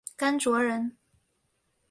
甘卓人。